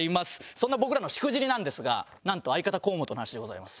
そんな僕らのしくじりなんですがなんと相方河本の話でございます。